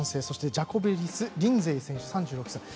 それにジャコベリス・リンゼー選手、３６歳。